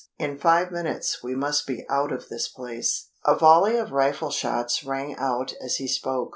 In five minutes we must be out of this place." A volley of rifle shots rang out as he spoke.